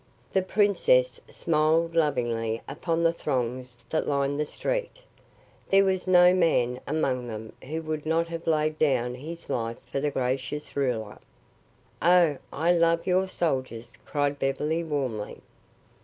The princess smiled lovingly upon the throngs that lined the street; there was no man among them who would not have laid down his life for the gracious ruler. "Oh, I love your soldiers," cried Beverly warmly.